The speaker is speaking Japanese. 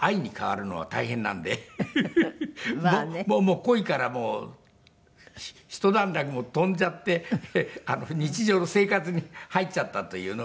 恋からひと段落飛んじゃって日常の生活に入っちゃったというのがまあ。